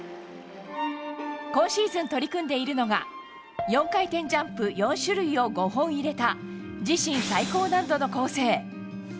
今シーズン取り組んでいるのが４回転ジャンプ４種類を５本入れた自身最高難度の構成。